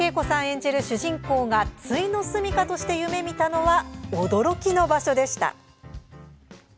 演じる主人公がついの住みかとして夢みたのは驚きの場所でした。